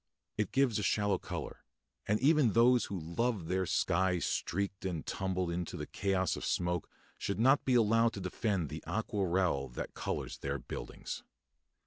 It gives a shallow colour; and even those who love their sky streaked and tumbled into the chaos of smoke should not be allowed to defend the aquarelle that colours their buildings.